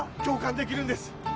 共感できるんです。